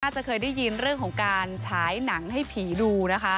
จะเคยได้ยินเรื่องของการฉายหนังให้ผีดูนะคะ